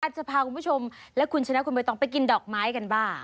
จะพาคุณผู้ชมและคุณชนะคุณใบตองไปกินดอกไม้กันบ้าง